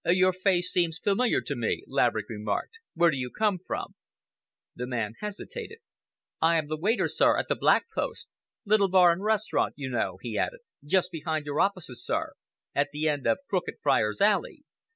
"Your face seems familiar to me," Laverick remarked. "Where do you come from?" The man hesitated. "I am the waiter, sir, at the 'Black Post,'—little bar and restaurant, you know," he added, "just behind your offices, sir, at the end of Crooked Friars' Alley.